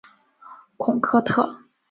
孔科特。